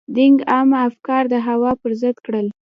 دینګ عامه افکار د هوا پر ضد کړل.